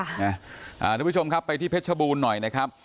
อ่าทุกผู้ชมครับไปที่เพชรบูลหน่อยนะค่ะ